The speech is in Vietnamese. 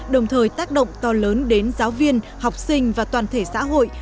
đồng thời tác động to lớn đến giáo viên học sinh và toàn thể xã hội